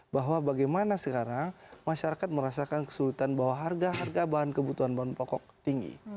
bahwa bagaimana sekarang masyarakat merasakan kesulitan bahwa harga harga bahan kebutuhan bahan pokok tinggi